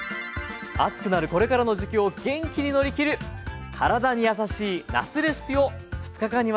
暑くなるこれからの時期を元気に乗りきる体にやさしいなすレシピを２日間にわたってご紹介します。